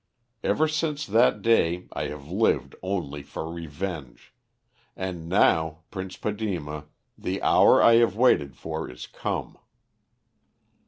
Ever since that day I have lived only for revenge, and now, Prince Padema, the hour I have waited for is come."